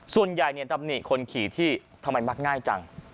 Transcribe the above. ส่วนใหญ่ตำหนิคนขี่ที่ทำไมมักง่ายจัง